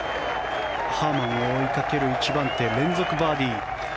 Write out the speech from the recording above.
ハーマンを追いかける一番手連続バーディー。